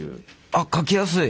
あっ書きやすい！